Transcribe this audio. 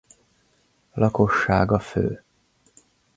Lakossága fő.